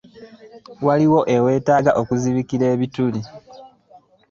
Waliwo aweetaaga okuzibikira ebituli.